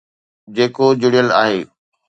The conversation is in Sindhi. جيڪو جڙيل آهي.